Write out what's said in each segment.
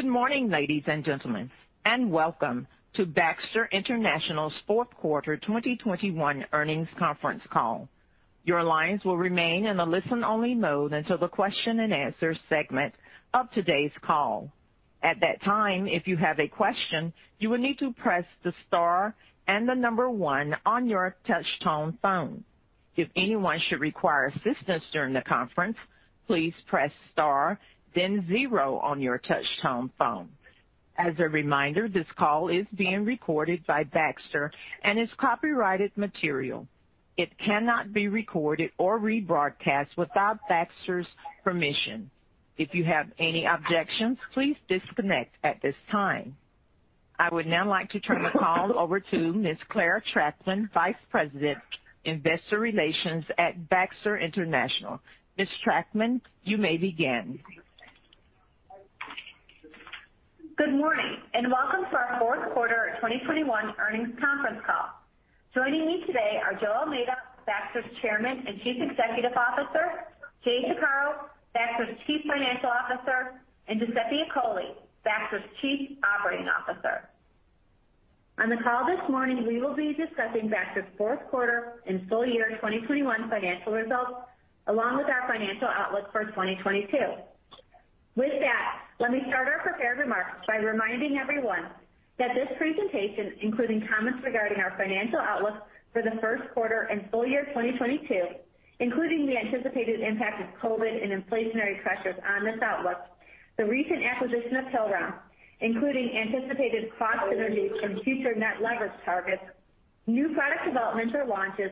Good morning, ladies and gentlemen, and welcome to Baxter International's fourth quarter 2021 earnings conference call. Your lines will remain in a listen-only mode until the question-and-answer segment of today's call. At that time, if you have a question, you will need to press the star and the number one on your touch-tone phone. If anyone should require assistance during the conference, please press star, then zero on your touch-tone phone. As a reminder, this call is being recorded by Baxter and is copyrighted material. It cannot be recorded or rebroadcast without Baxter's permission. If you have any objections, please disconnect at this time. I would now like to turn the call over to Ms. Clare Trachtman, Vice President, Investor Relations at Baxter International. Ms. Trachtman, you may begin. Good morning, and welcome to our fourth quarter 2021 earnings conference call. Joining me today are José Almeida, Baxter's Chairman and Chief Executive Officer, Jay Saccaro, Baxter's Chief Financial Officer, and Giuseppe Accogli, Baxter's Chief Operating Officer. On the call this morning, we will be discussing Baxter's fourth quarter and full year 2021 financial results, along with our financial outlook for 2022. With that, let me start our prepared remarks by reminding everyone that this presentation, including comments regarding our financial outlook for the first quarter and full year 2022, including the anticipated impact of COVID and inflationary pressures on this outlook, the recent acquisition of Hillrom, including anticipated cost synergies and future net leverage targets, new product developments or launches,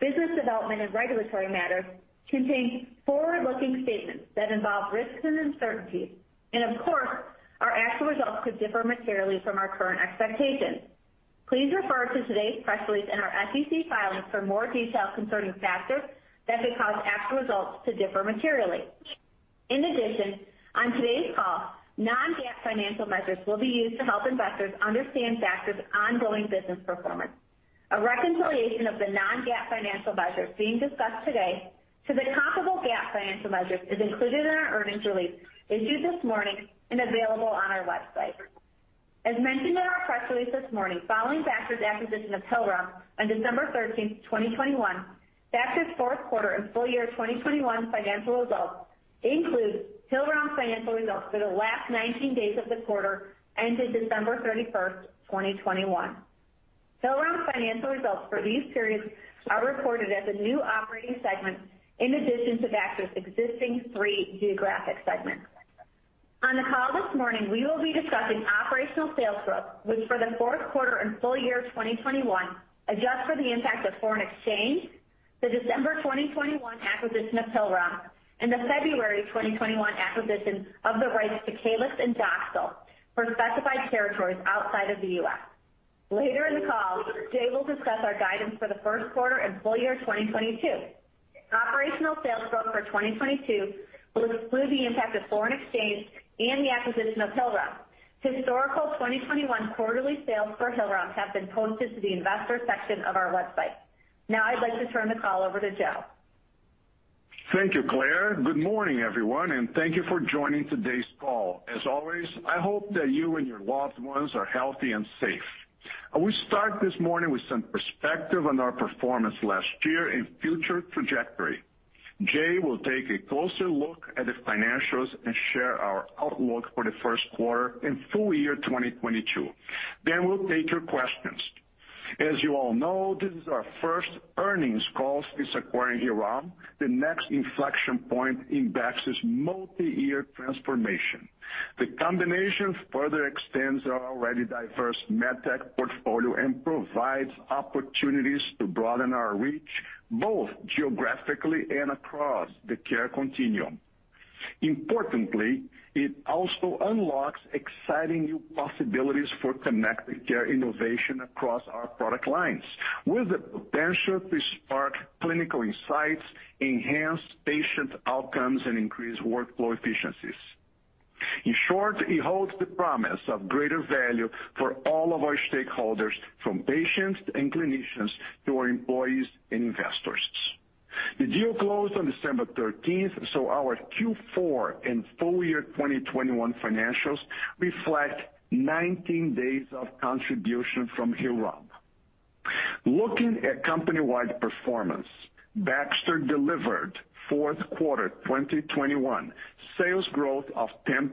business development and regulatory matters, contain forward-looking statements that involve risks and uncertainties. Of course, our actual results could differ materially from our current expectations. Please refer to today's press release in our SEC filings for more details concerning factors that could cause actual results to differ materially. In addition, on today's call, non-GAAP financial measures will be used to help investors understand Baxter's ongoing business performance. A reconciliation of the non-GAAP financial measures being discussed today to the comparable GAAP financial measures is included in our earnings release issued this morning and available on our website. As mentioned in our press release this morning, following Baxter's acquisition of Hillrom on December 13, 2021, Baxter's fourth quarter and full year 2021 financial results include Hillrom's financial results for the last 19 days of the quarter ended December 31, 2021. Hillrom's financial results for these periods are recorded as a new operating segment in addition to Baxter's existing three geographic segments. On the call this morning, we will be discussing operational sales growth, which for the fourth quarter and full year 2021 adjust for the impact of foreign exchange, the December 2021 acquisition of Hillrom, and the February 2021 acquisition of the rights to Caelyx and Doxil for specified territories outside of the U.S. Later in the call, Jay will discuss our guidance for the first quarter and full year 2022. Operational sales growth for 2022 will exclude the impact of foreign exchange and the acquisition of Hillrom. Historical 2021 quarterly sales for Hillrom have been posted to the investor section of our website. Now I'd like to turn the call over to José. Thank you, Clare. Good morning, everyone, and thank you for joining today's call. As always, I hope that you and your loved ones are healthy and safe. I will start this morning with some perspective on our performance last year and future trajectory. Jay will take a closer look at the financials and share our outlook for the first quarter and full year 2022. Then we'll take your questions. As you all know, this is our first earnings call since acquiring Hillrom, the next inflection point in Baxter's multi-year transformation. The combination further extends our already diverse med tech portfolio and provides opportunities to broaden our reach both geographically and across the care continuum. Importantly, it also unlocks exciting new possibilities for connected care innovation across our product lines with the potential to spark clinical insights, enhance patient outcomes, and increase workflow efficiencies. In short, it holds the promise of greater value for all of our stakeholders, from patients and clinicians to our employees and investors. The deal closed on December 13, so our Q4 and full year 2021 financials reflect 19 days of contribution from Hillrom. Looking at company-wide performance, Baxter delivered fourth quarter 2021 sales growth of 10%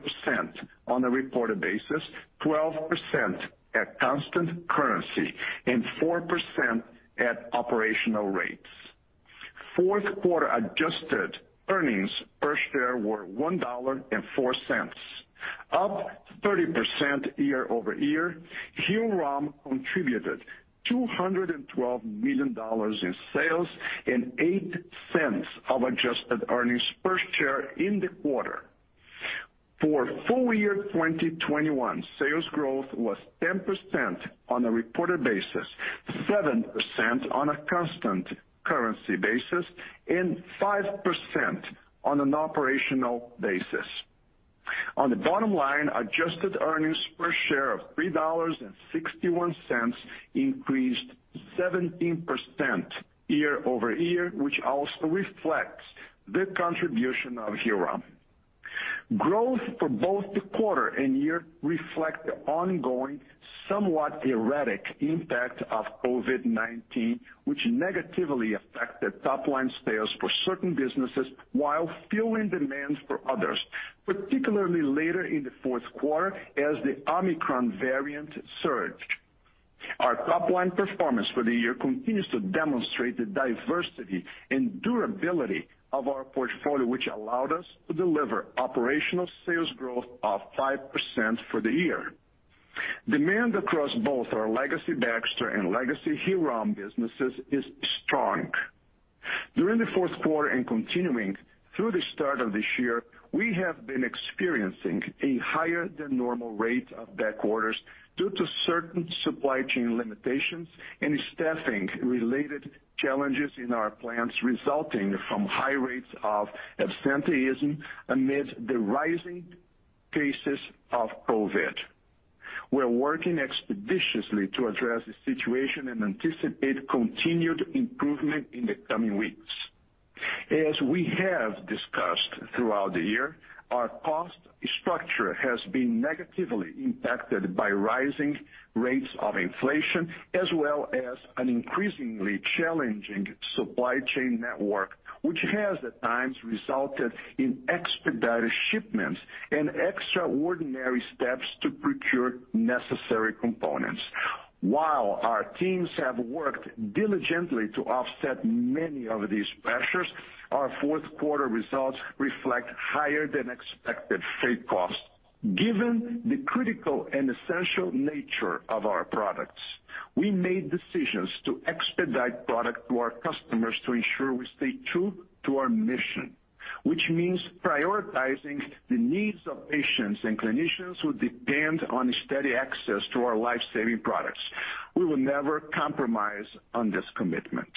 on a reported basis, 12% at constant currency and 4% at operational rates. Fourth quarter adjusted earnings per share were $1.04, up 30% year-over-year. Hillrom contributed $212 million in sales and $0.08 of adjusted earnings per share in the quarter. For full year 2021, sales growth was 10% on a reported basis, 7% on a constant currency basis, and 5% on an operational basis. On the bottom line, adjusted earnings per share of $3.61 increased 17% year-over-year, which also reflects the contribution of Hillrom. Growth for both the quarter and year reflect the ongoing, somewhat erratic impact of COVID-19, which negatively affected top-line sales for certain businesses while fueling demands for others, particularly later in the fourth quarter as the Omicron variant surged. Our top-line performance for the year continues to demonstrate the diversity and durability of our portfolio, which allowed us to deliver operational sales growth of 5% for the year. Demand across both our legacy Baxter and legacy Hillrom businesses is strong. During the fourth quarter and continuing through the start of this year, we have been experiencing a higher than normal rate of back orders due to certain supply chain limitations and staffing-related challenges in our plants resulting from high rates of absenteeism amid the rising cases of COVID. We're working expeditiously to address the situation and anticipate continued improvement in the coming weeks. As we have discussed throughout the year, our cost structure has been negatively impacted by rising rates of inflation as well as an increasingly challenging supply chain network, which has, at times, resulted in expedited shipments and extraordinary steps to procure necessary components. While our teams have worked diligently to offset many of these pressures, our fourth quarter results reflect higher than expected freight costs. Given the critical and essential nature of our products, we made decisions to expedite product to our customers to ensure we stay true to our mission, which means prioritizing the needs of patients and clinicians who depend on steady access to our life-saving products. We will never compromise on this commitment.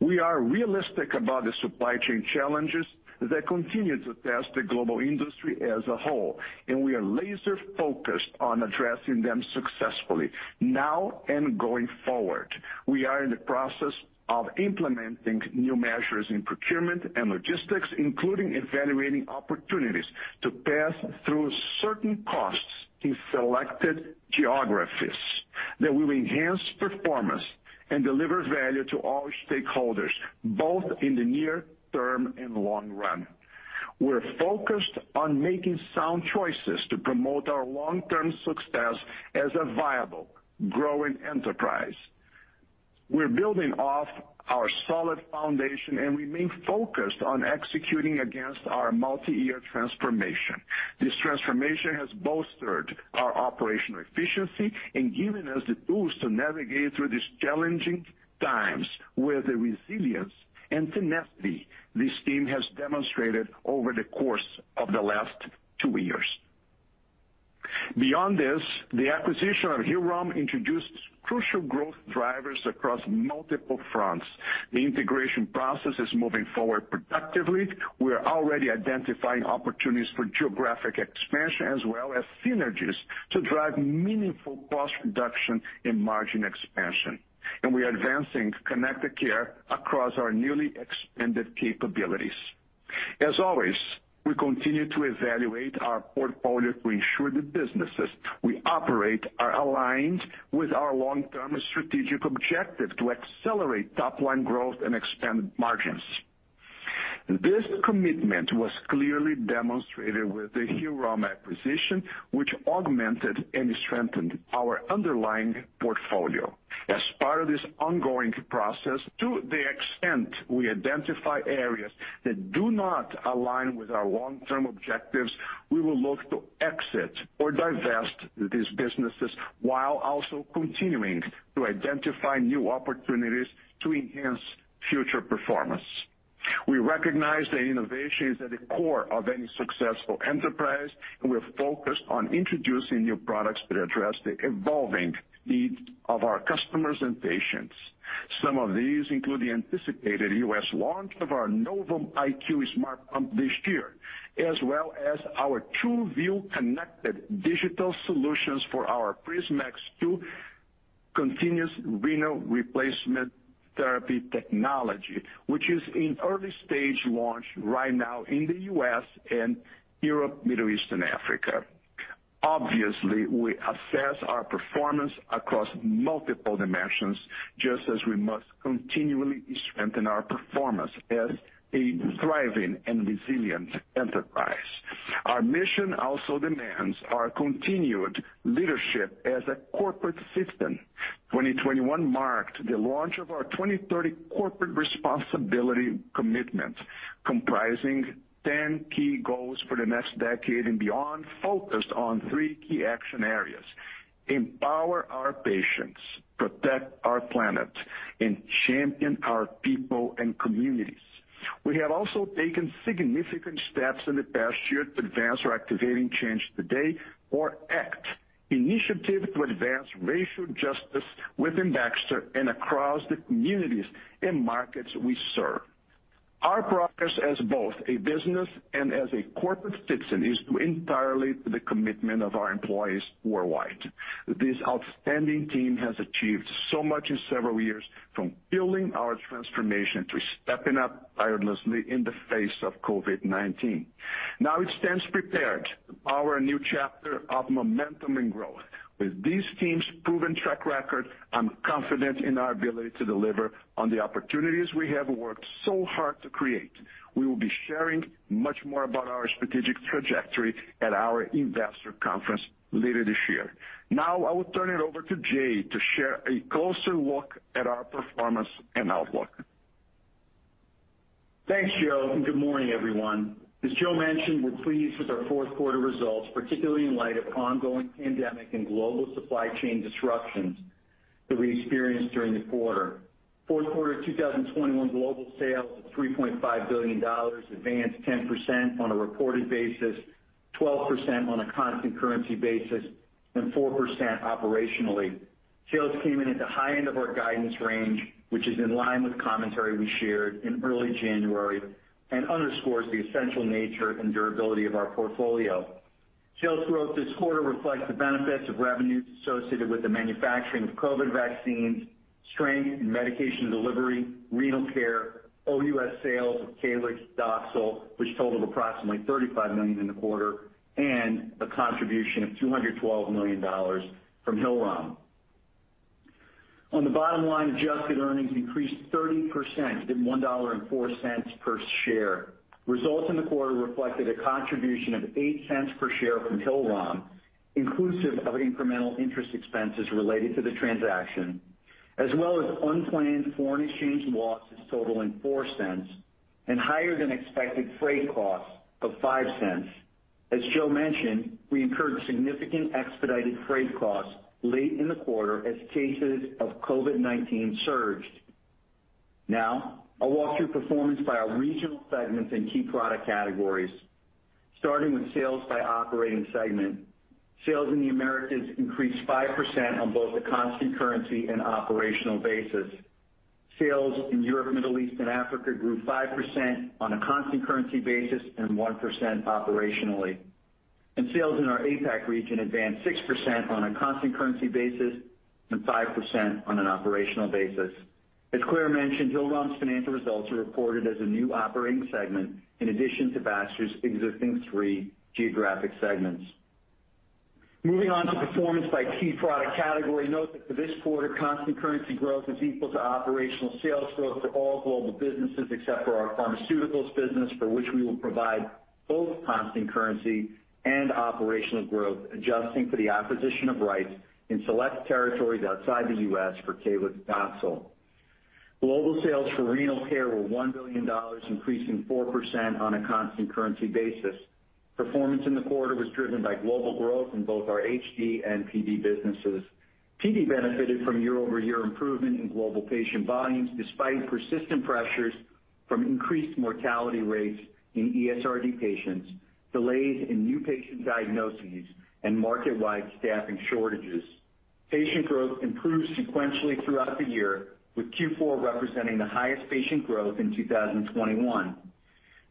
We are realistic about the supply chain challenges that continue to test the global industry as a whole, and we are laser-focused on addressing them successfully now and going forward. We are in the process of implementing new measures in procurement and logistics, including evaluating opportunities to pass through certain costs in selected geographies that will enhance performance and deliver value to all stakeholders, both in the near term and long run. We're focused on making sound choices to promote our long-term success as a viable, growing enterprise. We're building off our solid foundation, and remain focused on executing against our multi-year transformation. This transformation has bolstered our operational efficiency and given us the tools to navigate through these challenging times with the resilience and tenacity this team has demonstrated over the course of the last two years. Beyond this, the acquisition of Hillrom introduced crucial growth drivers across multiple fronts. The integration process is moving forward productively. We are already identifying opportunities for geographic expansion as well as synergies to drive meaningful cost reduction and margin expansion. We're advancing connected care across our newly expanded capabilities. As always, we continue to evaluate our portfolio to ensure the businesses we operate are aligned with our long-term strategic objective to accelerate top-line growth and expand margins. This commitment was clearly demonstrated with the Hillrom acquisition, which augmented and strengthened our underlying portfolio. As part of this ongoing process, to the extent we identify areas that do not align with our long-term objectives, we will look to exit or divest these businesses while also continuing to identify new opportunities to enhance future performance. We recognize that innovation is at the core of any successful enterprise, and we're focused on introducing new products that address the evolving needs of our customers and patients. Some of these include the anticipated U.S. launch of our Novum IQ smart pump this year, as well as our TrueVue connected digital solutions for our PrisMax 2 continuous renal replacement therapy technology, which is in early stage launch right now in the U.S. and Europe, Middle East, and Africa. Obviously, we assess our performance across multiple dimensions, just as we must continually strengthen our performance as a thriving and resilient enterprise. Our mission also demands our continued leadership as a corporate citizen. 2021 marked the launch of our 2030 corporate responsibility commitment, comprising 10 key goals for the next decade and beyond, focused on three key action areas, empower our patients, protect our planet, and champion our people and communities. We have also taken significant steps in the past year to advance our Activating Change Today, or ACT initiative, to advance racial justice within Baxter and across the communities and markets we serve. Our progress as both a business and as a corporate citizen is due entirely to the commitment of our employees worldwide. This outstanding team has achieved so much in several years, from building our transformation to stepping up tirelessly in the face of COVID-19. Now it stands prepared for our new chapter of momentum and growth. With these teams' proven track record, I'm confident in our ability to deliver on the opportunities we have worked so hard to create. We will be sharing much more about our strategic trajectory at our investor conference later this year. Now I will turn it over to Jay to share a closer look at our performance and outlook. Thanks, José, and good morning, everyone. As José mentioned, we're pleased with our fourth quarter results, particularly in light of ongoing pandemic and global supply chain disruptions that we experienced during the quarter. Fourth quarter 2021 global sales of $3.5 billion advanced 10% on a reported basis, 12% on a constant currency basis, and 4% operationally. Sales came in at the high end of our guidance range, which is in line with commentary we shared in early January and underscores the essential nature and durability of our portfolio. Sales growth this quarter reflects the benefits of revenues associated with the manufacturing of COVID vaccines, strength in Medication Delivery, Renal Care, OUS sales of Caelyx/Doxil, which totaled approximately $35 million in the quarter, and a contribution of $212 million from Hillrom. On the bottom line, adjusted earnings increased 30% to $1.04 per share. Results in the quarter reflected a contribution of $0.08 per share from Hillrom, inclusive of incremental interest expenses related to the transaction, as well as unplanned foreign exchange losses totaling $0.04 and higher than expected freight costs of $0.05. As José mentioned, we incurred significant expedited freight costs late in the quarter as cases of COVID-19 surged. Now, I'll walk through performance by our regional segments and key product categories. Starting with sales by operating segment. Sales in the Americas increased 5% on both a constant currency and operational basis. Sales in Europe, Middle East, and Africa grew 5% on a constant currency basis and 1% operationally. Sales in our APAC region advanced 6% on a constant currency basis and 5% on an operational basis. As Clare mentioned, Hillrom's financial results are reported as a new operating segment in addition to Baxter's existing three geographic segments. Moving on to performance by key product category, note that for this quarter, constant currency growth is equal to operational sales growth for all global businesses except for our Pharmaceuticals business, for which we will provide both constant currency and operational growth, adjusting for the acquisition of rights in select territories outside the U.S. for Caelyx/Doxil. Global sales for Renal Care were $1 billion, increasing 4% on a constant currency basis. Performance in the quarter was driven by global growth in both our HD and PD businesses. PD benefited from year-over-year improvement in global patient volumes despite persistent pressures from increased mortality rates in ESRD patients, delays in new patient diagnoses, and market-wide staffing shortages. Patient growth improved sequentially throughout the year, with Q4 representing the highest patient growth in 2021.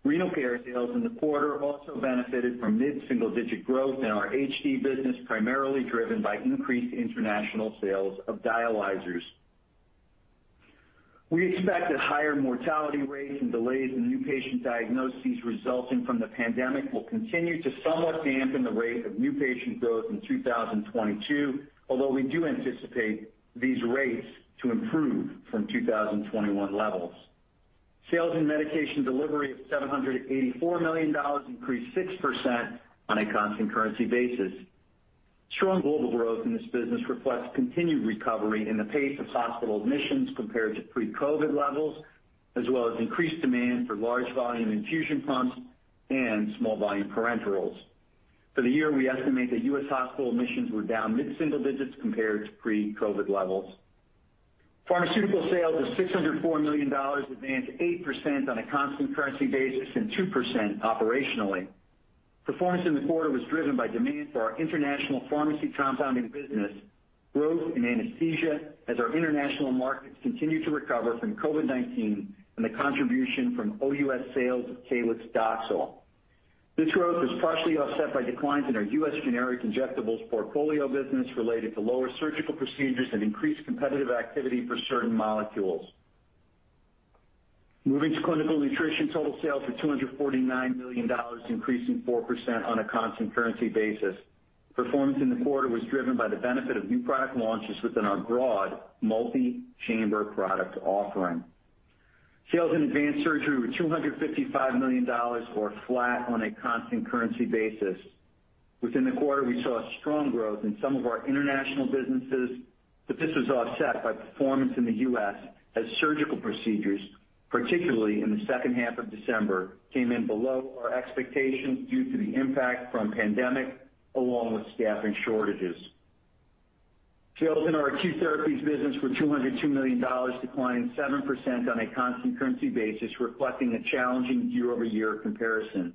Renal Care sales in the quarter also benefited from mid-single-digit growth in our HD business, primarily driven by increased international sales of dialyzers. We expect that higher mortality rates and delays in new patient diagnoses resulting from the pandemic will continue to somewhat dampen the rate of new patient growth in 2022, although we do anticipate these rates to improve from 2021 levels. Sales in Medication Delivery of $784 million increased 6% on a constant currency basis. Strong global growth in this business reflects continued recovery in the pace of hospital admissions compared to pre-COVID levels, as well as increased demand for large volume infusion pumps and small volume parenterals. For the year, we estimate that U.S. hospital admissions were down mid-single digits compared to pre-COVID levels. Pharmaceutical sales of $604 million advanced 8% on a constant currency basis and 2% operationally. Performance in the quarter was driven by demand for our international pharmacy compounding business, growth in anesthesia as our international markets continue to recover from COVID-19, and the contribution from OUS sales of Caelyx/Doxil. This growth was partially offset by declines in our U.S. generic injectables portfolio business related to lower surgical procedures and increased competitive activity for certain molecules. Moving to Clinical Nutrition, total sales of $249 million, increasing 4% on a constant currency basis. Performance in the quarter was driven by the benefit of new product launches within our broad multi-chamber product offering. Sales in Advanced Surgery were $255 million or flat on a constant currency basis. Within the quarter, we saw strong growth in some of our international businesses, but this was offset by performance in the U.S. as surgical procedures, particularly in the second half of December, came in below our expectations due to the impact from the pandemic along with staffing shortages. Sales in our Acute Therapies business were $202 million, declining 7% on a constant currency basis, reflecting a challenging year-over-year comparison.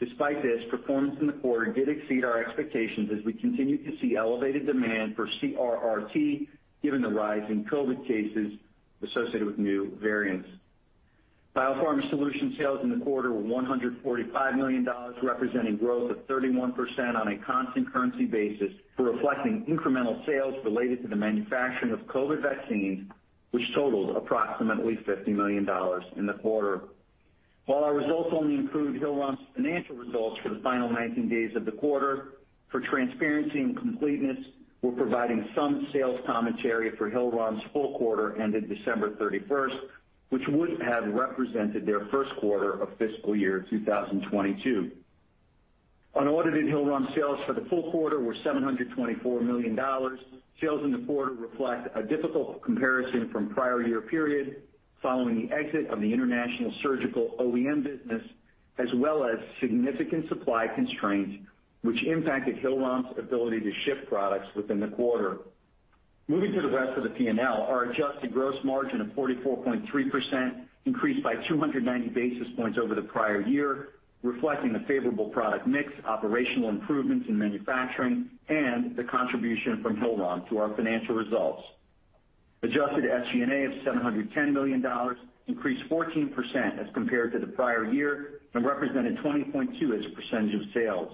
Despite this, performance in the quarter did exceed our expectations as we continue to see elevated demand for CRRT given the rise in COVID cases associated with new variants. BioPharma Solutions sales in the quarter were $145 million, representing growth of 31% on a constant currency basis, reflecting incremental sales related to the manufacturing of COVID vaccines, which totaled approximately $50 million in the quarter. While our results only include Hillrom's financial results for the final 19 days of the quarter, for transparency and completeness, we're providing some sales commentary for Hillrom's full quarter ended December 31, which would have represented their first quarter of fiscal year 2022. Unaudited Hillrom sales for the full quarter were $724 million. Sales in the quarter reflect a difficult comparison from prior year period following the exit of the international surgical OEM business, as well as significant supply constraints which impacted Hillrom's ability to ship products within the quarter. Moving to the rest of the P&L, our adjusted gross margin of 44.3% increased by 290 basis points over the prior year, reflecting the favorable product mix, operational improvements in manufacturing, and the contribution from Hillrom to our financial results. Adjusted SG&A of $710 million increased 14% as compared to the prior year, and represented 20.2% of sales.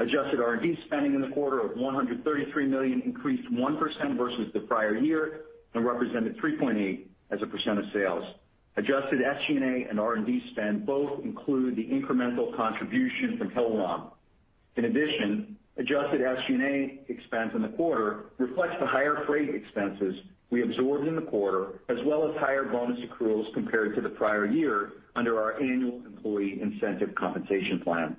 Adjusted R&D spending in the quarter of $133 million increased 1% versus the prior year and represented 3.8% of sales. Adjusted SG&A and R&D spend both include the incremental contribution from Hillrom. In addition, adjusted SG&A expense in the quarter reflects the higher freight expenses we absorbed in the quarter, as well as higher bonus accruals compared to the prior year under our annual employee incentive compensation plan.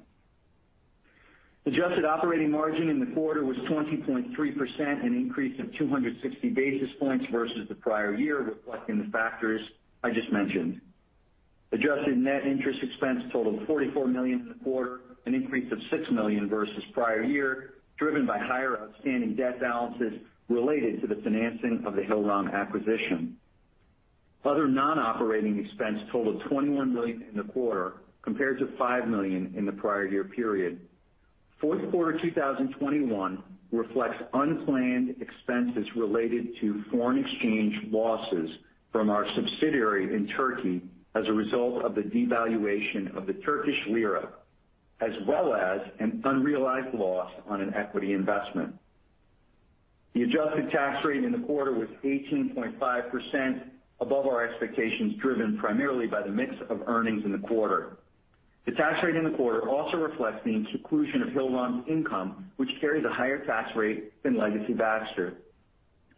Adjusted operating margin in the quarter was 20.3%, an increase of 260 basis points versus the prior year, reflecting the factors I just mentioned. Adjusted net interest expense totaled $44 million in the quarter, an increase of $6 million versus prior year, driven by higher outstanding debt balances related to the financing of the Hillrom acquisition. Other non-operating expense totaled $21 million in the quarter compared to $5 million in the prior year period. Fourth quarter 2021 reflects unplanned expenses related to foreign exchange losses from our subsidiary in Turkey as a result of the devaluation of the Turkish lira, as well as an unrealized loss on an equity investment. The adjusted tax rate in the quarter was 18.5% above our expectations, driven primarily by the mix of earnings in the quarter. The tax rate in the quarter also reflects the inclusion of Hillrom's income, which carries a higher tax rate than legacy Baxter.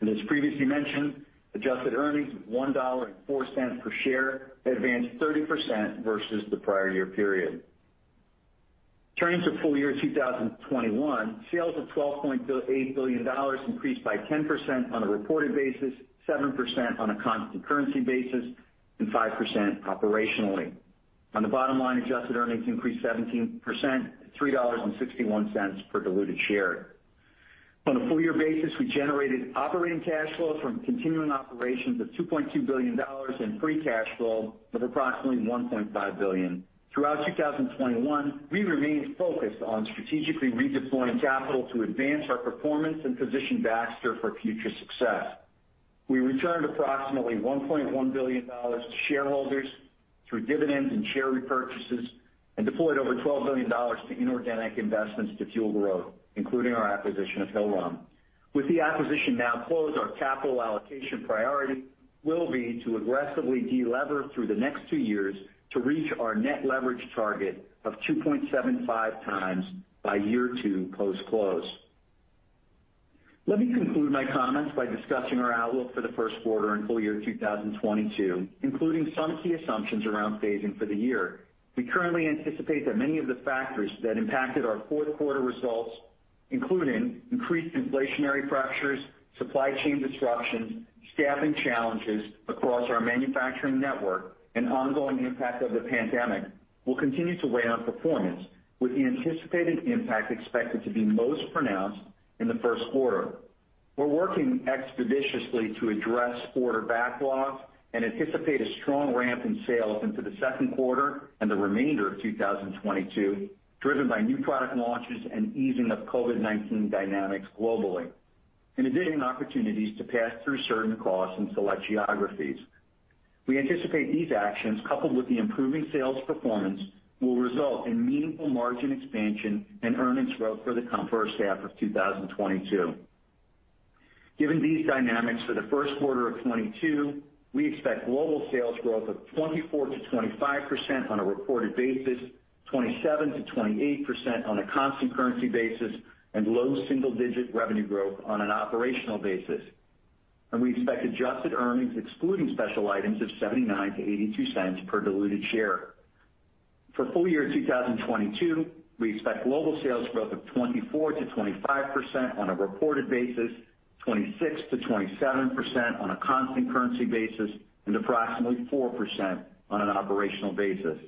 As previously mentioned, adjusted earnings of $1.04 per share advanced 30% versus the prior year period. Turning to full year 2021, sales of $12.8 billion increased by 10% on a reported basis, 7% on a constant currency basis, and 5% operationally. On the bottom line, adjusted earnings increased 17% to $3.61 per diluted share. On a full year basis, we generated operating cash flow from continuing operations of $2.2 billion and free cash flow of approximately $1.5 billion. Throughout 2021, we remained focused on strategically redeploying capital to advance our performance and position Baxter for future success. We returned approximately $1.1 billion to shareholders through dividends and share repurchases and deployed over $12 billion to inorganic investments to fuel growth, including our acquisition of Hillrom. With the acquisition now closed, our capital allocation priority will be to aggressively de-lever through the next two years to reach our net leverage target of 2.75x by year 2 post-close. Let me conclude my comments by discussing our outlook for the first quarter and full year 2022, including some key assumptions around phasing for the year. We currently anticipate that many of the factors that impacted our fourth quarter results, including increased inflationary pressures, supply chain disruptions, staffing challenges across our manufacturing network and ongoing impact of the pandemic, will continue to weigh on performance with the anticipated impact expected to be most pronounced in the first quarter. We're working expeditiously to address order backlogs and anticipate a strong ramp in sales into the second quarter and the remainder of 2022, driven by new product launches and easing of COVID-19 dynamics globally, in addition to opportunities to pass through certain costs in select geographies. We anticipate these actions, coupled with the improving sales performance, will result in meaningful margin expansion and earnings growth for the first half of 2022. Given these dynamics, for the first quarter of 2022, we expect global sales growth of 24%–25% on a reported basis, 27%–28% on a constant currency basis, and low-single-digit revenue growth on an operational basis. We expect adjusted earnings excluding special items of $0.79–$0.82 per diluted share. For full year 2022, we expect global sales growth of 24%-25% on a reported basis, 26%-27% on a constant currency basis, and approximately 4% on an operational basis.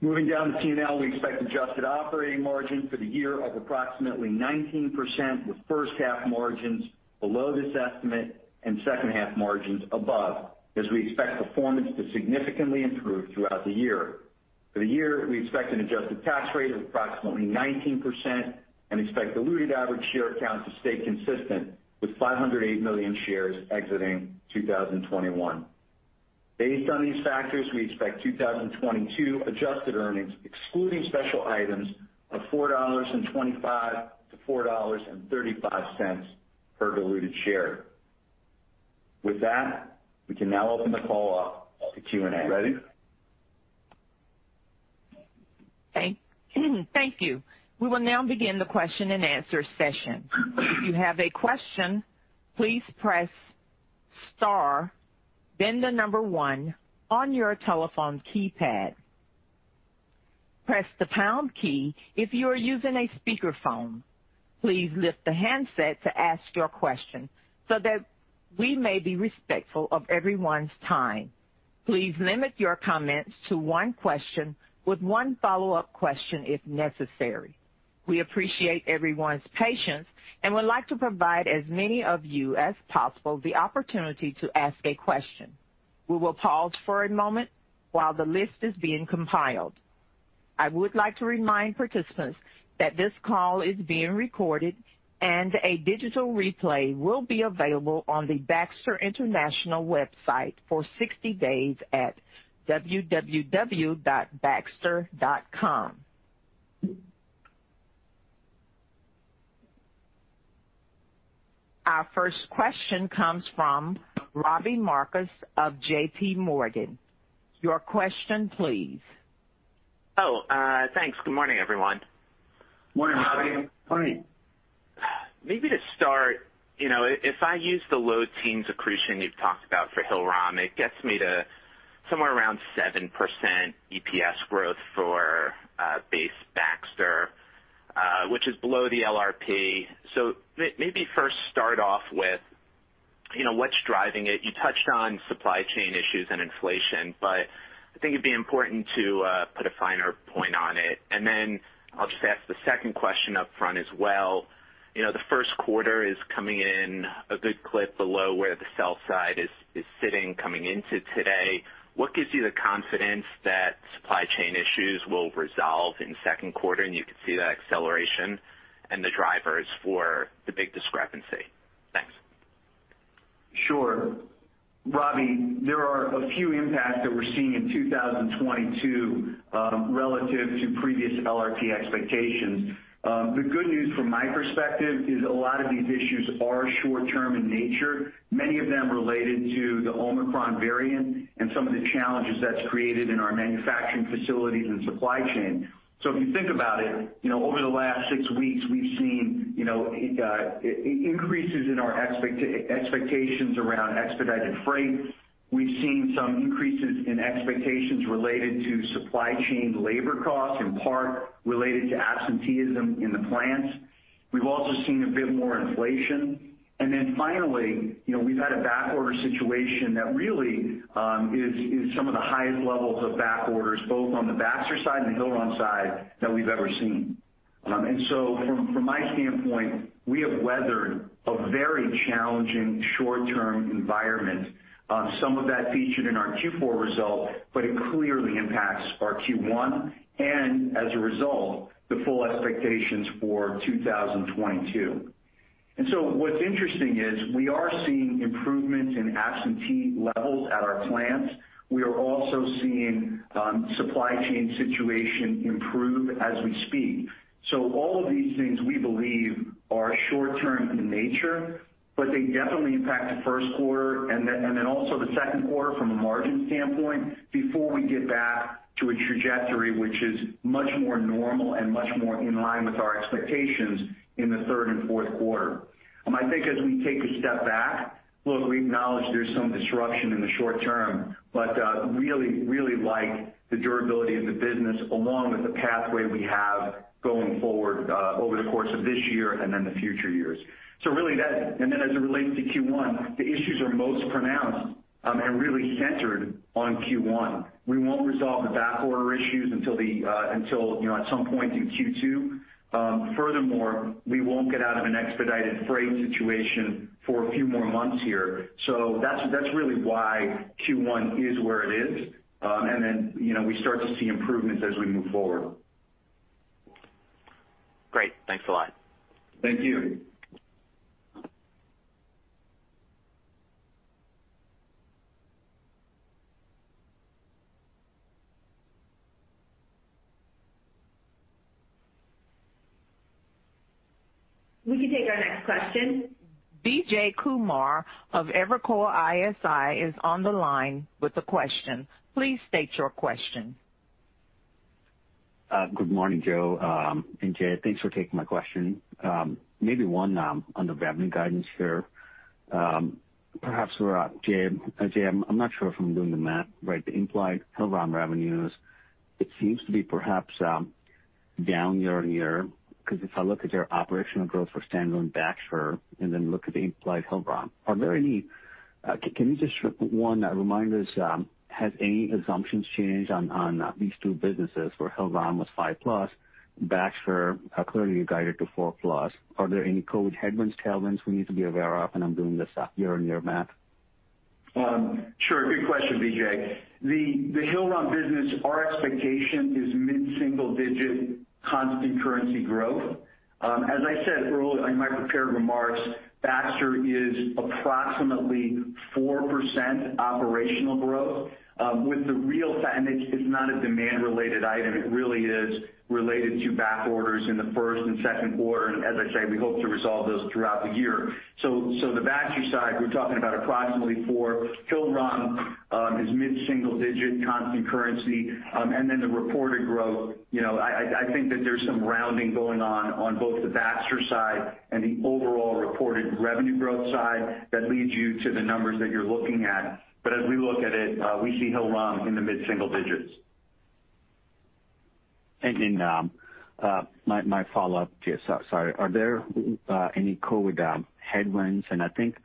Moving down to P&L, we expect adjusted operating margin for the year of approximately 19%, with first half margins below this estimate and second half margins above as we expect performance to significantly improve throughout the year. For the year, we expect an adjusted tax rate of approximately 19% and expect diluted average share count to stay consistent with 508 million shares exiting 2021. Based on these factors, we expect 2022 adjusted earnings excluding special items of $4.25–$4.35 per diluted share. With that, we can now open the call up to Q&A. Ready? Thank you. We will now begin the question-and-answer session. If you have a question, please press star then the number one on your telephone keypad. Press the pound key if you are using a speakerphone. Please lift the handset to ask your question so that we may be respectful of everyone's time. Please limit your comments to 1 question with 1 follow-up question if necessary. We appreciate everyone's patience and would like to provide as many of you as possible the opportunity to ask a question. We will pause for a moment while the list is being compiled. I would like to remind participants that this call is being recorded and a digital replay will be available on the Baxter International website for 60 days at www.baxter.com. Our first question comes from Robbie Marcus of JPMorgan. Your question, please. Oh, thanks. Good morning, everyone. Morning, Robbie. Morning. Maybe to start, you know, if I use the low teens accretion you've talked about for Hillrom, it gets me to somewhere around 7% EPS growth for base Baxter, which is below the LRP. Maybe first start off with, you know, what's driving it. You touched on supply chain issues and inflation, but I think it'd be important to put a finer point on it. Then I'll just ask the second question up front as well. You know, the first quarter is coming in a good clip below where the sell side is sitting coming into today. What gives you the confidence that supply chain issues will resolve in the second quarter, and you can see that acceleration and the drivers for the big discrepancy? Thanks. Sure. Robbie, there are a few impacts that we're seeing in 2022, relative to previous LRP expectations. The good news from my perspective is a lot of these issues are short-term in nature, many of them related to the Omicron variant and some of the challenges that's created in our manufacturing facilities and supply chain. If you think about it, you know, over the last six weeks, we've seen, you know, increases in our expectations around expedited freight. We've seen some increases in expectations related to supply chain labor costs, in part related to absenteeism in the plants. We've also seen a bit more inflation. Finally, you know, we've had a backorder situation that really is some of the highest levels of backorders, both on the Baxter side and the Hillrom side, that we've ever seen. From my standpoint, we have weathered a very challenging short-term environment. Some of that featured in our Q4 results, but it clearly impacts our Q1 and as a result, the full expectations for 2022. What's interesting is we are seeing improvements in absentee levels at our plants. We are also seeing supply chain situation improve as we speak. All of these things we believe are short-term in nature, but they definitely impact the first quarter and then also the second quarter from a margin standpoint before we get back to a trajectory which is much more normal and much more in line with our expectations in the third and fourth quarter. I think as we take a step back, look, we acknowledge there's some disruption in the short term, but really like the durability of the business along with the pathway we have going forward over the course of this year and then the future years. Really that. As it relates to Q1, the issues are most pronounced and really centered on Q1. We won't resolve the backorder issues until you know at some point in Q2. Furthermore, we won't get out of an expedited freight situation for a few more months here. That's really why Q1 is where it is. You know, we start to see improvements as we move forward. Great. Thanks a lot. Thank you. We can take our next question. Vijay Kumar of Evercore ISI is on the line with a question. Please state your question. Good morning, José and Jay. Thanks for taking my question. Maybe one on the revenue guidance here. Perhaps, Jay, I'm not sure if I'm doing the math right. The implied Hillrom revenues seem to be down year-over-year, because if I look at your operational growth for standalone Baxter and then look at the implied Hillrom, can you remind us, has any assumptions changed on these two businesses where Hillrom was 5+, Baxter clearly guided to 4+. Are there any known headwinds, tailwinds we need to be aware of, and I'm doing this year-over-year math? Sure. Good question, Vijay. The Hillrom business, our expectation is mid-single-digit constant currency growth. As I said earlier in my prepared remarks, Baxter is approximately 4% operational growth, it's not a demand-related item. It really is related to back orders in the first and second quarter. As I say, we hope to resolve those throughout the year. The Baxter side, we're talking about approximately 4. Hillrom is mid-single-digit constant currency. The reported growth, you know, I think that there's some rounding going on both the Baxter side and the overall reported revenue growth side that leads you to the numbers that you're looking at. As we look at it, we see Hillrom in the mid-single digits. Then my follow-up, Jay Saccaro, sorry. Are there any COVID headwinds? I think,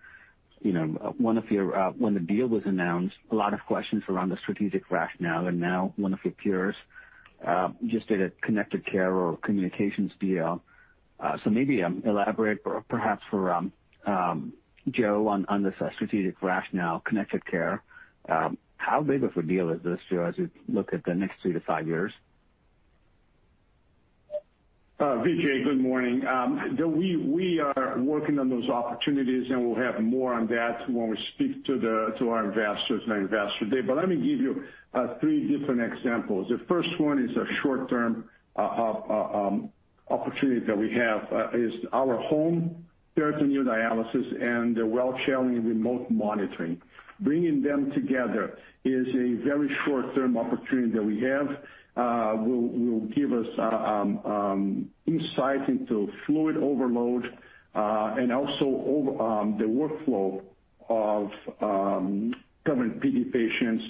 you know, one of your, when the deal was announced, a lot of questions around the strategic rationale, and now one of your peers just did a connected care or communications deal. Maybe elaborate or perhaps for José Almeida on the strategic rationale, connected care. How big of a deal is this, José Almeida, as you look at the next 3-5 years? Vijay, good morning. We are working on those opportunities, and we'll have more on that when we speak to our investors on Investor Day. Let me give you three different examples. The first one is a short-term opportunity that we have is our home peritoneal dialysis and the Welch Allyn remote monitoring. Bringing them together is a very short-term opportunity that we have will give us insight into fluid overload and also the workflow of home PD patients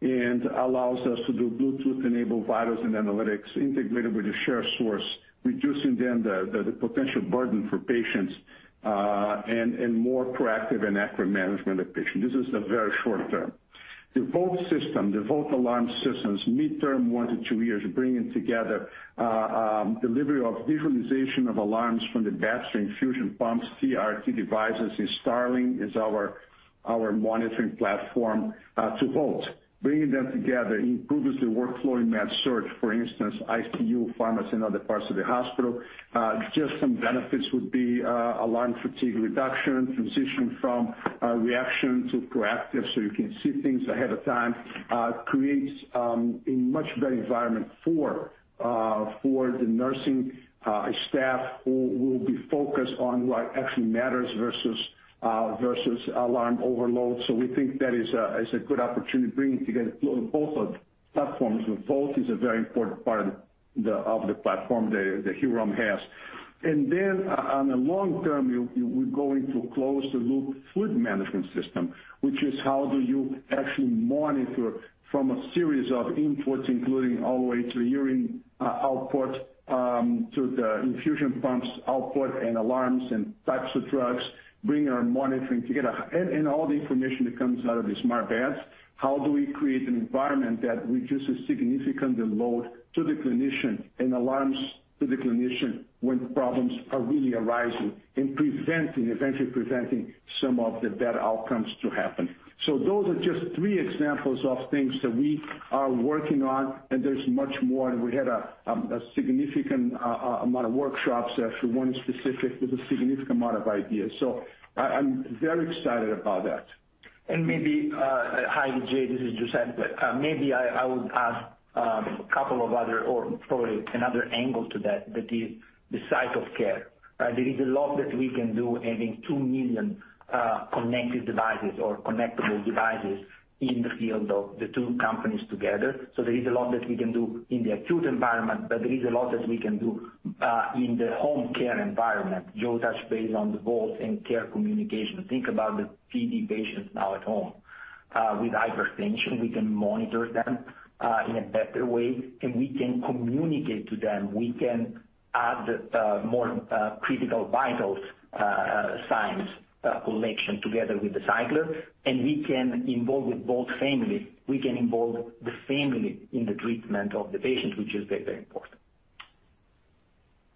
and allows us to do Bluetooth-enabled vitals and analytics integrated with a Sharesource, reducing the potential burden for patients and more proactive and accurate management of patients. This is the very short term. The Voalte system, the Voalte alarm systems, mid-term 1-2 years, bringing together delivery of visualization of alarms from the Baxter infusion pumps, CRRT devices, and Starling, our monitoring platform, to Voalte. Bringing them together improves the workflow in that area. For instance, ICU, pharmacy, and other parts of the hospital. Just some benefits would be alarm fatigue reduction, transition from reaction to proactive, so you can see things ahead of time, creates a much better environment for the nursing staff who will be focused on what actually matters versus alarm overload. We think that is a good opportunity to bring together both platforms. The Voalte is a very important part of the platform the Hillrom has. Then on the long term, we're going to close the loop fluid management system, which is how do you actually monitor from a series of inputs, including all the way to urine output, to the infusion pumps output and alarms and types of drugs, bring our monitoring together and all the information that comes out of the smart beds. How do we create an environment that reduces significantly load to the clinician and alarms to the clinician when problems are really arising and preventing some of the bad outcomes to happen. Those are just three examples of things that we are working on, and there's much more. We had a significant amount of workshops for one specific with a significant amount of ideas. I'm very excited about that. Maybe, hi, Vijay, this is Giuseppe. Maybe I would ask probably another angle to that is the site of care, right? There is a lot that we can do having 2 million connected devices or connectable devices in the field of the two companies together. There is a lot that we can do in the acute environment. There is a lot that we can do in the home care environment. José touched base on the Voalte and care communication. Think about the PD patients now at home. With hypertension, we can monitor them in a better way, and we can communicate to them. We can add more critical vitals signs collection together with the cycler. We can involve with both family. We can involve the family in the treatment of the patient, which is very, very important.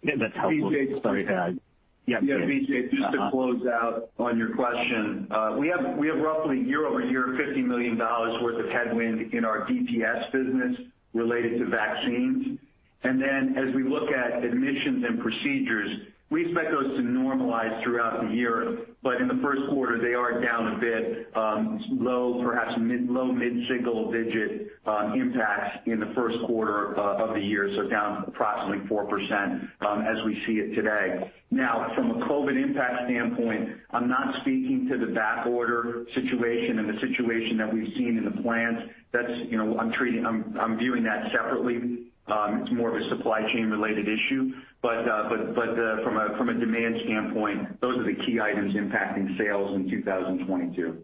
That's helpful. Sorry to add. Yeah, Vijay, just to close out on your question. We have roughly year-over-year $50 million worth of headwind in our BPS business related to vaccines. Then as we look at admissions and procedures, we expect those to normalize throughout the year. In the first quarter, they are down a bit, low- to mid-single-digit impact in the first quarter of the year, so down approximately 4%, as we see it today. Now, from a COVID impact standpoint, I'm not speaking to the backorder situation and the situation that we've seen in the plants. That's, I'm viewing that separately. It's more of a supply chain related issue. From a demand standpoint, those are the key items impacting sales in 2022.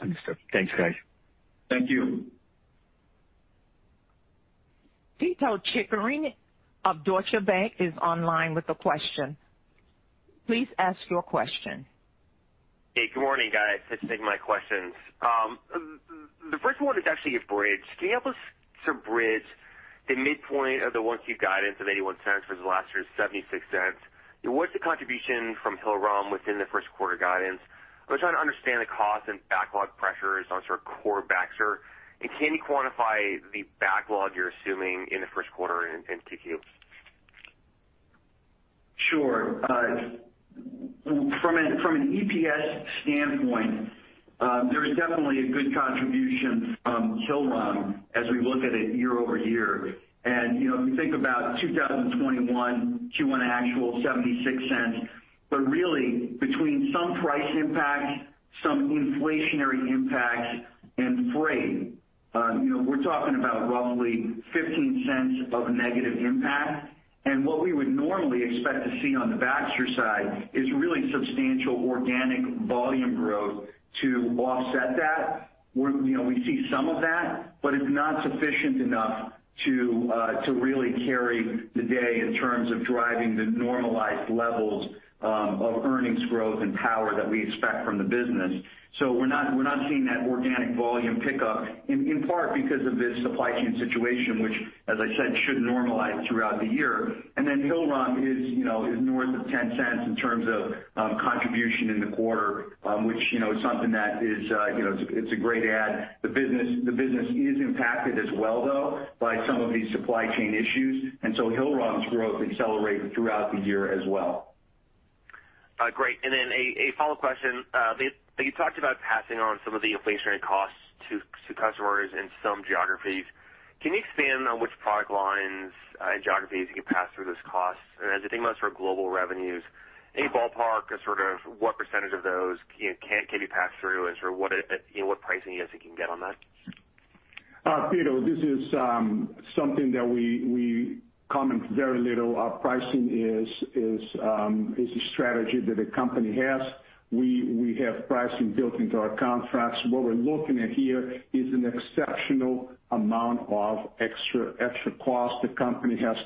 Understood. Thanks, guys. Thank you. Pito Chickering of Deutsche Bank is online with a question. Please ask your question. Hey, good morning, guys. Thanks for taking my questions. The first one is actually a bridge. Can you help us to bridge the midpoint of the Q1 guidance of $0.81 versus last year's $0.76. What's the contribution from Hillrom within the first quarter guidance? I'm trying to understand the cost and backlog pressures on sort of core Baxter. Can you quantify the backlog you're assuming in the first quarter in Q2? Sure. From an EPS standpoint, there is definitely a good contribution from Hillrom as we look at it year-over-year. You know, if you think about 2021, Q1 actual $0.76. Really, between some price impacts, some inflationary impacts and freight, you know, we're talking about roughly $0.15 of a negative impact. What we would normally expect to see on the Baxter side is really substantial organic volume growth to offset that. You know, we see some of that, but it's not sufficient enough to really carry the day in terms of driving the normalized levels of earnings growth and power that we expect from the business. We're not seeing that organic volume pickup in part because of this supply chain situation which, as I said, should normalize throughout the year. Hillrom is, you know, north of $0.10 in terms of contribution in the quarter, which, you know, is something that is, you know, it's a great add. The business is impacted as well, though, by some of these supply chain issues. Hillrom's growth accelerated throughout the year as well. Great. Then a follow-up question. You talked about passing on some of the inflationary costs to customers in some geographies. Can you expand on which product lines and geographies you pass through those costs? As I think about sort of global revenues, any ballpark or sort of what percentage of those can be passed through and sort of what, you know, what pricing you can get on that? Pito Chickering, this is something that we comment very little. Our pricing is a strategy that a company has. We have pricing built into our contracts. What we're looking at here is an exceptional amount of extra cost the company has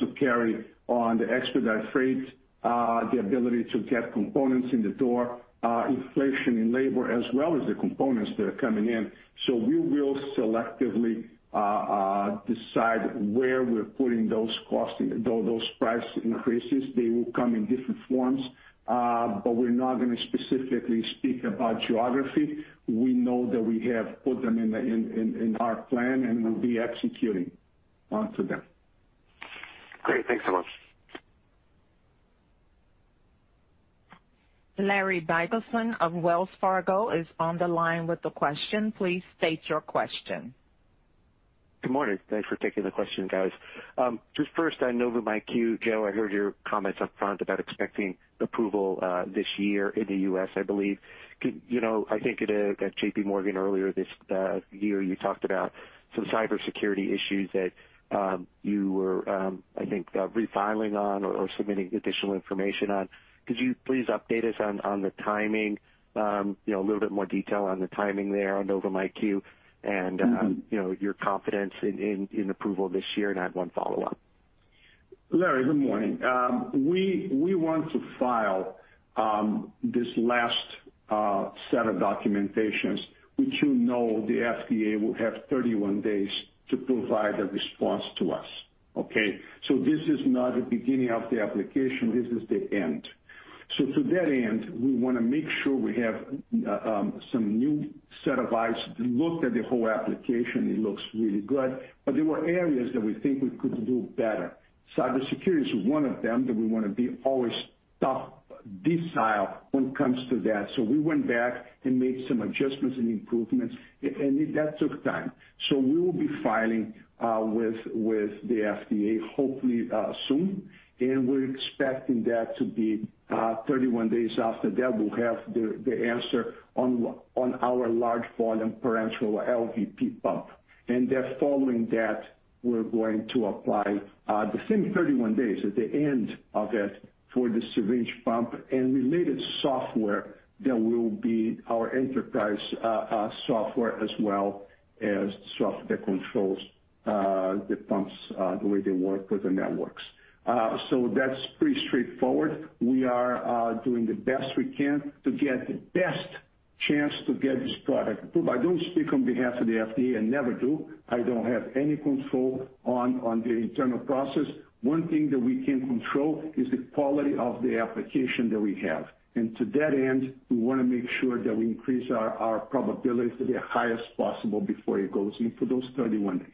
to carry on to expedite freight, the ability to get components in the door, inflation in labor, as well as the components that are coming in. We will selectively decide where we're putting those costs, those price increases. They will come in different forms. But we're not going to specifically speak about geography. We know that we have put them in our plan, and we'll be executing onto them. Great. Thanks so much. Larry Biegelsen of Wells Fargo is on the line with a question. Please state your question. Good morning. Thanks for taking the question, guys. Just first on Novum IQ, José, I heard your comments up front about expecting approval this year in the U.S., I believe. Could you know, I think at JPMorgan earlier this year, you talked about some cybersecurity issues that you were, I think, refiling on or submitting additional information on. Could you please update us on the timing, you know, a little bit more detail on the timing there on Novum IQ and, you know, your confidence in approval this year? I have one follow-up. Larry, good morning. We want to file this last set of documentation, which you know the FDA will have 31 days to provide a response to us. Okay? This is not the beginning of the application, this is the end. To that end, we want to make sure we have some new set of eyes look at the whole application. It looks really good, but there were areas that we think we could do better. Cybersecurity is one of them that we want to be always top decile when it comes to that. We went back and made some adjustments and improvements, and that took time. We will be filing with the FDA hopefully soon. We're expecting that to be 31 days after that, we'll have the answer on our large-volume parenteral LVP pump. Following that, we're going to apply the same 31 days at the end of it for the syringe pump and related software that will be our enterprise software as well as software that controls the pumps the way they work with the networks. That's pretty straightforward. We are doing the best we can to get the best chance to get this product approved. I don't speak on behalf of the FDA, I never do. I don't have any control on the internal process. One thing that we can control is the quality of the application that we have. To that end, we want to make sure that we increase our probability to the highest possible before it goes in for those 31 days.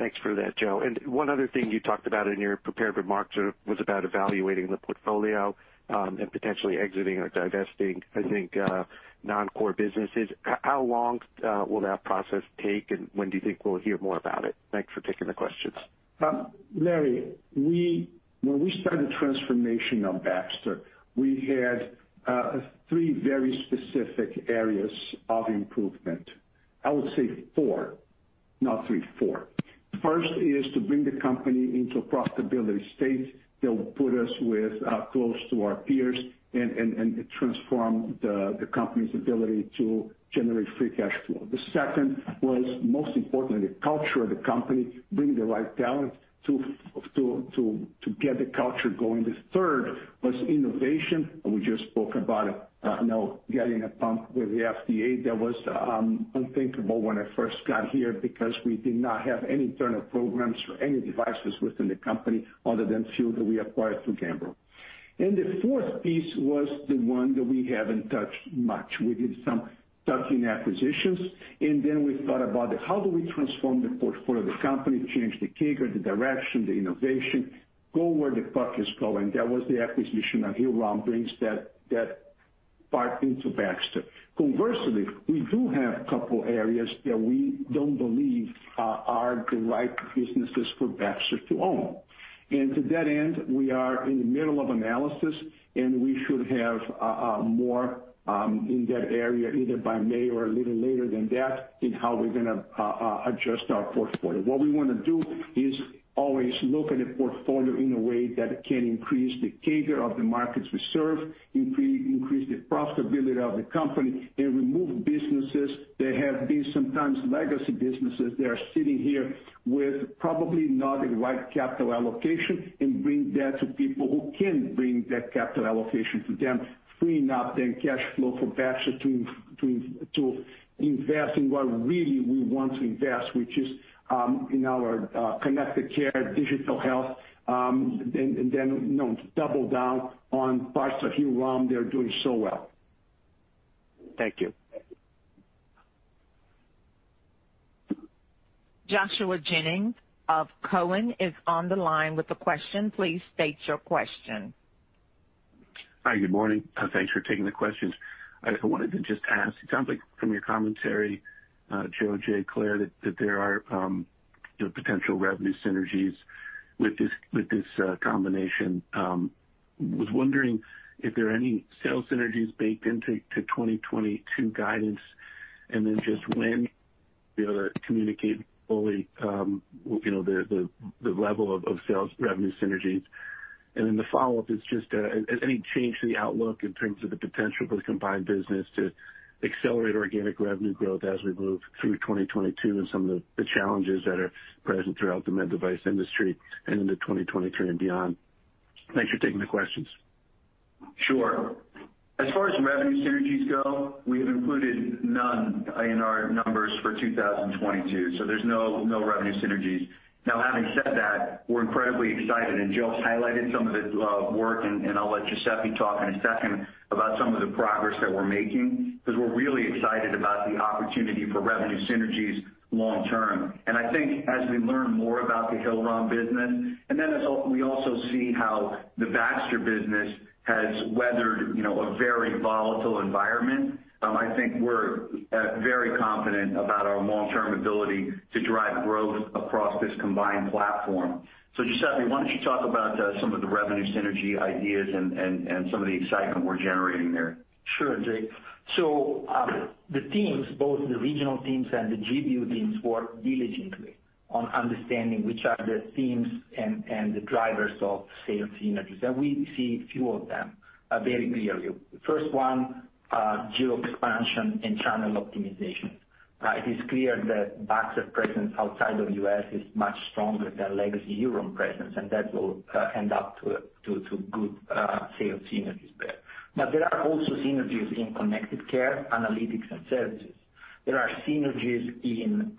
Thanks for that, José. One other thing you talked about in your prepared remarks was about evaluating the portfolio and potentially exiting or divesting, I think, non-core businesses. How long will that process take, and when do you think we'll hear more about it? Thanks for taking the questions. Larry, when we started transformation of Baxter, we had three very specific areas of improvement. I would say four, not three. First is to bring the company into a profitability state that will put us close to our peers and transform the company's ability to generate free cash flow. The second was, most importantly, culture of the company, bring the right talent to get the culture going. The third was innovation, and we just spoke about you know getting a pump with the FDA. That was unthinkable when I first got here because we did not have any internal programs or any devices within the company other than few that we acquired through Gambro. The fourth piece was the one that we haven't touched much. We did some tuck-in acquisitions, and then we thought about how do we transform the portfolio of the company, change the CAGR, the direction, the innovation, go where the puck is going. That was the acquisition of Hillrom brings that part into Baxter. Conversely, we do have a couple areas that we don't believe are the right businesses for Baxter to own. To that end, we are in the middle of analysis, and we should have more in that area either by May or a little later than that in how we're going to adjust our portfolio. What we want to do is always look at a portfolio in a way that can increase the CAGR of the markets we serve, increase the profitability of the company, and remove businesses that have been sometimes legacy businesses that are sitting here with probably not the right capital allocation and bring that to people who can bring that capital allocation to them, freeing up cash flow for Baxter to invest in what really we want to invest, which is in our connected care, digital health, and then, you know, double down on parts of Hillrom that are doing so well. Thank you. Joshua Jennings of Cowen is on the line with a question. Please state your question. Hi, good morning. Thanks for taking the questions. I wanted to just ask, it sounds like from your commentary, José, Jay, Clare, that there are potential revenue synergies with this combination. Was wondering if there are any sales synergies baked into 2022 guidance, and then just when we'll be able to communicate fully, you know, the level of sales revenue synergies. The follow-up is just any change to the outlook in terms of the potential for the combined business to accelerate organic revenue growth as we move through 2022 and some of the challenges that are present throughout the med device industry and into 2023 and beyond. Thanks for taking the questions. Sure. As far as revenue synergies go, we have included none in our numbers for 2022, so there's no revenue synergies. Now having said that, we're incredibly excited, and José's highlighted some of the work, and I'll let Giuseppe talk in a second about some of the progress that we're making because we're really excited about the opportunity for revenue synergies long term. I think as we learn more about the Hillrom business, and then we also see how the Baxter business has weathered, you know, a very volatile environment, I think we're very confident about our long-term ability to drive growth across this combined platform. Giuseppe, why don't you talk about some of the revenue synergy ideas and some of the excitement we're generating there? Sure, Jay. The teams, both the regional teams and the GBU teams, work diligently on understanding which are the themes and the drivers of sales synergies. We see a few of them very clearly. First one, geo expansion and channel optimization, right? It's clear that Baxter presence outside of U.S. is much stronger than legacy Hillrom presence, and that will end up to good sales synergies there. There are also synergies in connected care, analytics, and services. There are synergies in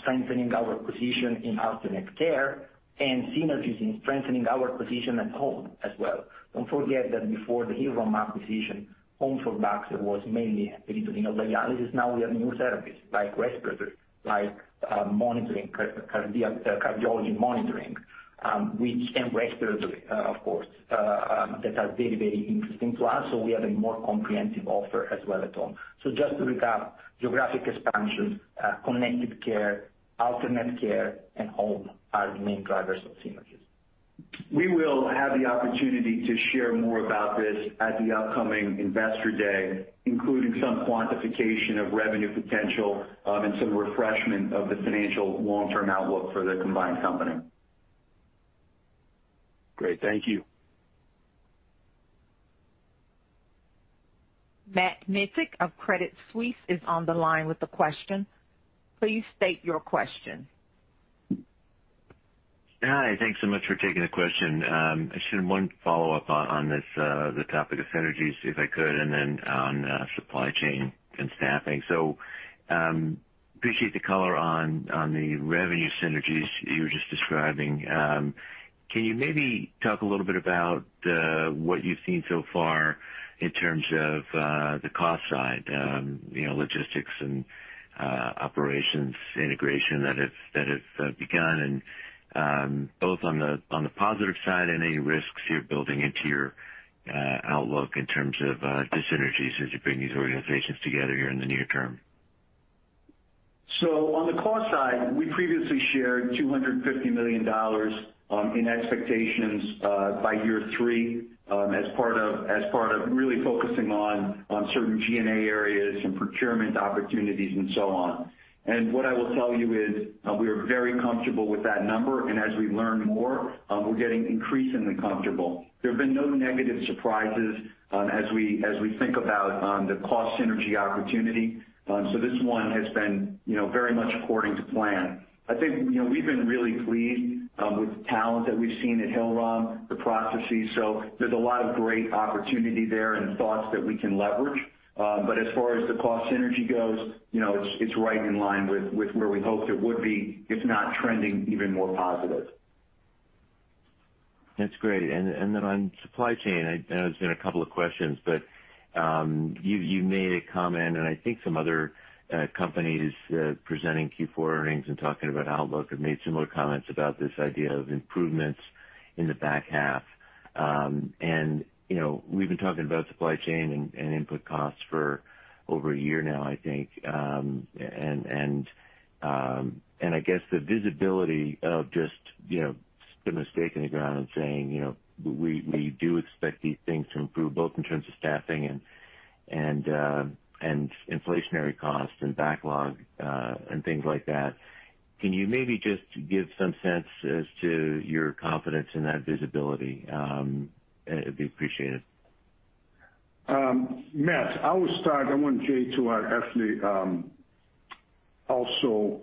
strengthening our position in alternate care and synergies in strengthening our position at home as well. Don't forget that before the Hillrom acquisition, home for Baxter was mainly related to, you know, dialysis. Now we have new therapies like respiratory, like, cardiology monitoring, which and respiratory, of course, that are very, very interesting to us. We have a more comprehensive offer as well at home. Just to recap, geographic expansion, connected care, alternate care, and home are the main drivers of synergies. We will have the opportunity to share more about this at the upcoming Investor Day, including some quantification of revenue potential, and some refreshment of the financial long-term outlook for the combined company. Great. Thank you. Matt Miksic of Credit Suisse is on the line with a question. Please state your question. Hi. Thanks so much for taking the question. I just had one follow-up on this topic of synergies, if I could, and then on supply chain and staffing. I appreciate the color on the revenue synergies you were just describing. Can you maybe talk a little bit about what you've seen so far in terms of the cost side, you know, logistics and operations integration that have begun, and both on the positive side, any risks you're building into your outlook in terms of dyssynergies as you bring these organizations together here in the near term? On the cost side, we previously shared $250 million in expectations by year three as part of really focusing on certain G&A areas and procurement opportunities and so on. What I will tell you is we are very comfortable with that number, and as we learn more, we're getting increasingly comfortable. There have been no negative surprises as we think about the cost synergy opportunity. This one has been, you know, very much according to plan. I think, you know, we've been really pleased with the talent that we've seen at Hillrom, the processes. There's a lot of great opportunity there and thoughts that we can leverage. As far as the cost synergy goes, you know, it's right in line with where we hoped it would be, if not trending even more positive. That's great. Then on supply chain, I know there's been a couple of questions, but you made a comment, and I think some other companies presenting Q4 earnings and talking about outlook have made similar comments about this idea of improvements in the back half. You know, we've been talking about supply chain and input costs for over a year now, I think, and I guess the visibility of just you know, putting a stake in the ground and saying, you know, we do expect these things to improve both in terms of staffing and inflationary costs and backlog and things like that. Can you maybe just give some sense as to your confidence in that visibility? It'd be appreciated. Matt, I will start. I want Jay to actually also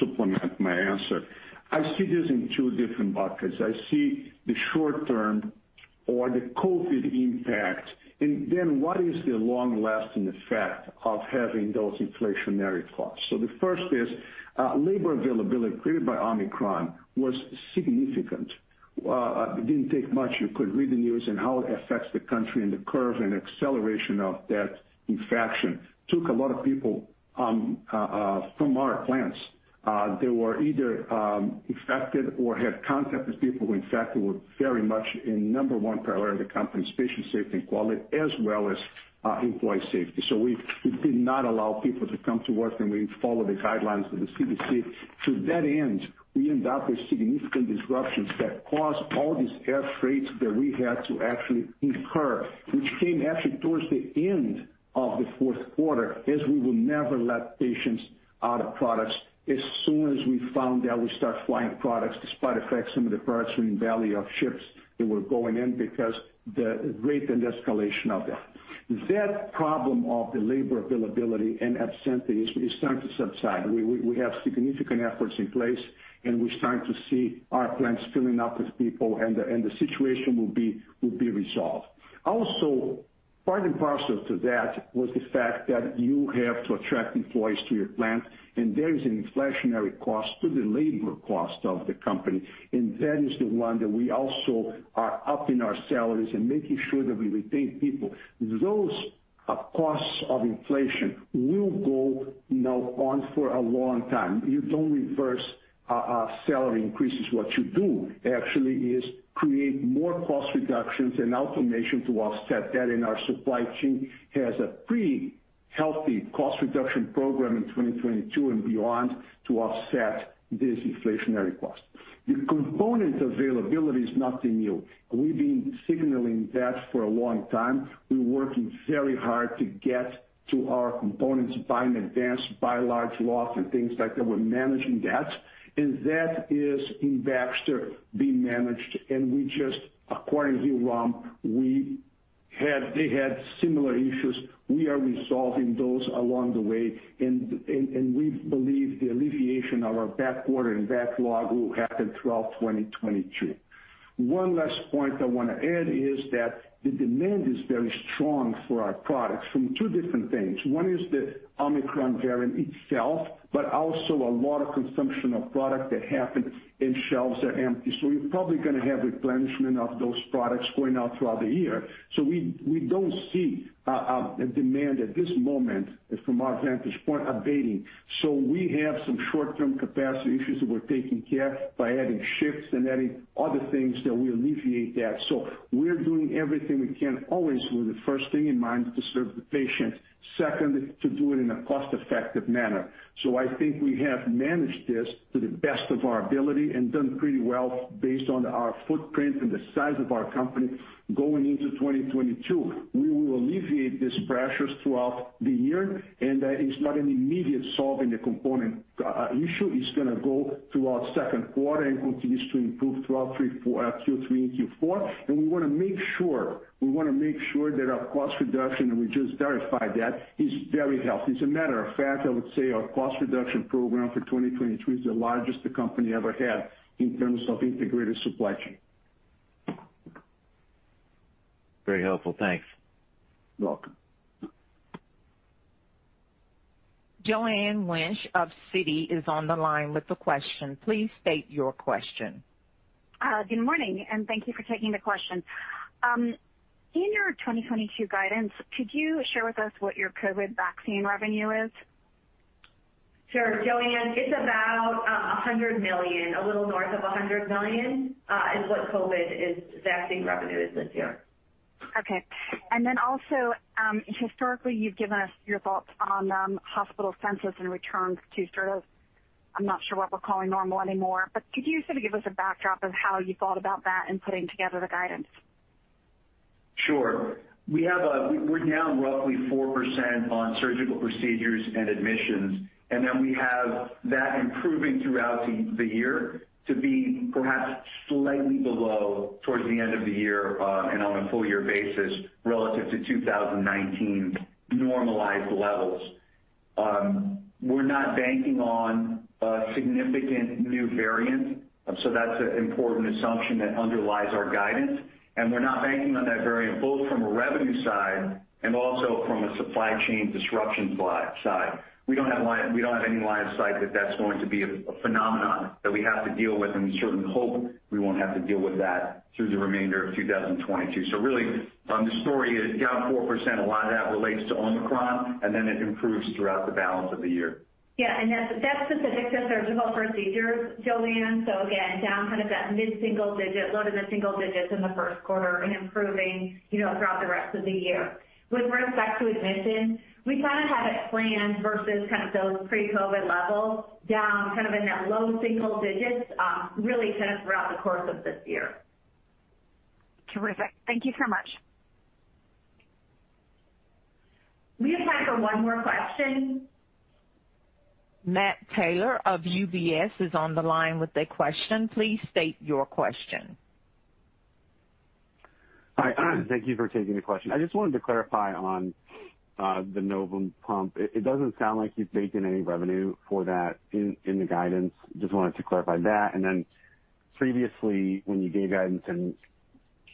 supplement my answer. I see this in two different buckets. I see the short term or the COVID impact, and then what is the long-lasting effect of having those inflationary costs? The first is labor availability created by Omicron was significant. It didn't take much. You could read the news and how it affects the country and the curve and acceleration of that infection. Took a lot of people from our plants. They were either infected or had contact with people who were infected. With very much our number one priority of the company's patient safety and quality as well as employee safety. We did not allow people to come to work, and we followed the guidelines of the CDC. To that end, we ended up with significant disruptions that caused all these air freights that we had to actually incur, which came actually towards the end of the fourth quarter, as we will never let patients run out of products. As soon as we found out, we start flying products despite the fact some of the products were in the belly of ships that were going in because the rate and escalation of that. That problem of the labor availability and absenteeism is starting to subside. We have significant efforts in place, and we're starting to see our plants filling up with people, and the situation will be resolved. Also, part and parcel to that was the fact that you have to attract employees to your plant, and there is an inflationary cost to the labor cost of the company. That is the one that we also are upping our salaries and making sure that we retain people. Those costs of inflation will go, you know, on for a long time. You don't reverse salary increases. What you do actually is create more cost reductions and automation to offset that in our supply chain has a pretty healthy cost reduction program in 2022 and beyond to offset this inflationary cost. The component availability is nothing new. We've been signaling that for a long time. We're working very hard to get to our components, buy in advance, buy large lots and things like that. We're managing that. That is in Baxter being managed. According to Hillrom, they had similar issues. We are resolving those along the way. We believe the alleviation of our backorder and backlog will happen throughout 2022. One last point I want to add is that the demand is very strong for our products from two different things. One is the Omicron variant itself, but also a lot of consumption of product that happened and shelves are empty. You're probably going to have replenishment of those products going out throughout the year. We don't see a demand at this moment from our vantage point abating. We have some short-term capacity issues that we're taking care of by adding shifts and adding other things that will alleviate that. We're doing everything we can always with the first thing in mind to serve the patient. Second, to do it in a cost-effective manner. I think we have managed this to the best of our ability and done pretty well based on our footprint and the size of our company going into 2022. We will alleviate these pressures throughout the year, and that is not an immediate solve in the component issue, which is going to go throughout second quarter and continues to improve throughout Q3 and Q4. We want to make sure that our cost reduction, and we just verified that, is very healthy. As a matter of fact, I would say our cost reduction program for 2022 is the largest the company ever had in terms of integrated supply chain. Very helpful. Thanks. You're welcome. Joanne Wuensch of Citi is on the line with a question. Please state your question. Good morning, and thank you for taking the question. In your 2022 guidance, could you share with us what your COVID vaccine revenue is? Sure. Joanne, it's about $100 million, a little north of $100 million, is what COVID vaccine revenue is this year. Okay. Historically, you've given us your thoughts on hospital census and returns to sort of, I'm not sure what we're calling normal anymore, but could you sort of give us a backdrop of how you thought about that in putting together the guidance? Sure. We're down roughly 4% on surgical procedures and admissions, and then we have that improving throughout the year to be perhaps slightly below towards the end of the year, and on a full year basis relative to 2019 normalized levels. We're not banking on a significant new variant, so that's an important assumption that underlies our guidance. We're not banking on that variant both from a revenue side and also from a supply chain disruption side. We don't have any line of sight that that's going to be a phenomenon that we have to deal with, and we certainly hope we won't have to deal with that through the remainder of 2022. Really, the story is down 4%. A lot of that relates to Omicron, and then it improves throughout the balance of the year. Yeah. That's specific to surgical procedures, Joanne. That's down kind of in that mid-single-digit to low- to single-digits in the first quarter and improving, you know, throughout the rest of the year. With respect to admission, we kind of have it planned versus kind of those pre-COVID levels down kind of in that low single-digits, really kind of throughout the course of this year. Terrific. Thank you so much. We have time for one more question. Matt Taylor of UBS is on the line with a question. Please state your question. Hi. Thank you for taking the question. I just wanted to clarify on the Novum IQ. It doesn't sound like you've baked in any revenue for that in the guidance. Just wanted to clarify that. Then previously, when you gave guidance in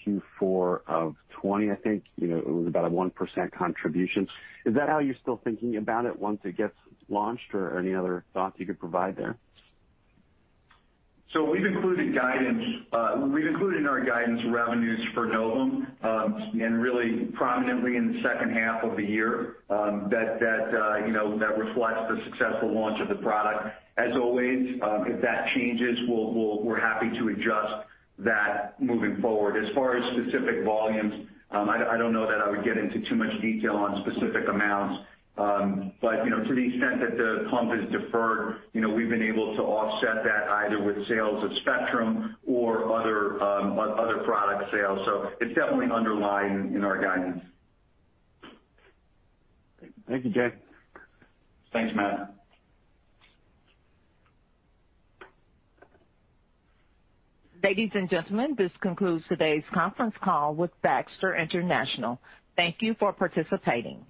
Q4 of 2020, I think, you know, it was about a 1% contribution. Is that how you're still thinking about it once it gets launched or any other thoughts you could provide there? We've included in our guidance revenues for Novum and really prominently in the second half of the year, you know, that reflects the successful launch of the product. As always, if that changes, we'll, we're happy to adjust that moving forward. As far as specific volumes, I don't know that I would get into too much detail on specific amounts. You know, to the extent that the pump is deferred, you know, we've been able to offset that either with sales of Spectrum or other product sales. It's definitely underlying in our guidance. Thank you, Jay. Thanks, Matt. Ladies and gentlemen, this concludes today's conference call with Baxter International. Thank you for participating.